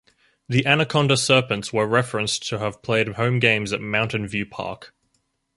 The Anaconda Serpents were referenced to have played home games at Mountain View Park.